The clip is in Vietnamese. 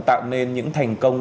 tạo nên những thành công